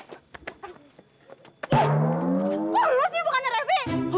kok lo sih bukan raffi